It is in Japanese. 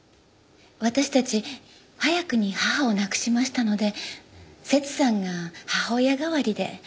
私たち早くに母を亡くしましたのでセツさんが母親代わりで。